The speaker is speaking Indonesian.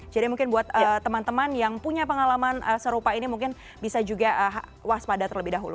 jadi mungkin buat teman teman yang punya pengalaman serupa ini mungkin bisa juga waspada terlebih dahulu